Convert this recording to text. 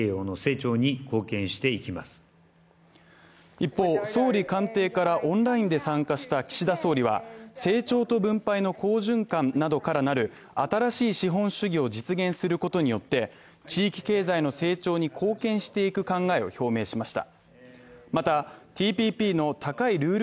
一方、総理官邸からオンラインで参加した岸田総理は、成長と分配の好循環などからなる新しい資本主義を実現することによって、地域経済の成長に貢献していく考えを表明しました。